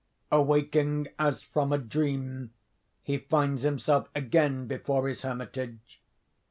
Awaking as from a dream, he finds himself again before his hermitage.